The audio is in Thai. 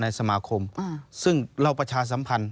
สมาคมซึ่งเราประชาสัมพันธ์